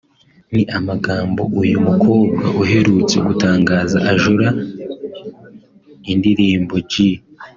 ni amagambo uyu mukobwa aherutse gutangaza ajora indirimbo ‘G